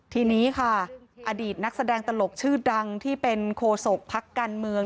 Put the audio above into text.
ทีนี้ค่ะอดีตนักแสดงตลกชื่อดังที่เป็นโคศกพักการเมือง